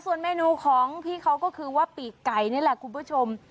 ส่วนเมนูของพี่เขาก็คือว่าปีกไก่นี่แหละคุณผู้ชม